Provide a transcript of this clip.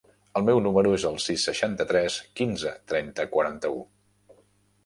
El meu número es el sis, seixanta-tres, quinze, trenta, quaranta-u.